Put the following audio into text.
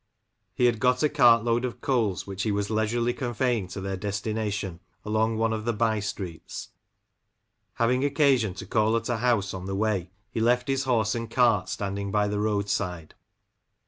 He had got a cart load of coals, which he was leisurely conveying to their destination along one of the bye streets ; having occasion to call at a house on the way, he left his horse and cart standing by the road side.